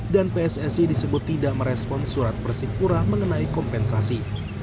dan pssi disebut tidak merespon surat persipura mengenai kompensasi